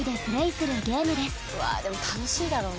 うわでも楽しいだろうな。